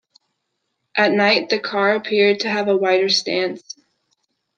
At night, the car appeared to have a wider stance.